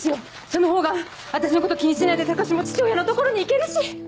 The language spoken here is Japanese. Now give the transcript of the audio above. そのほうが私のこと気にしないで高志も父親の所に行けるし。